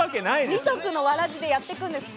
二足のわらじでやっていくんです。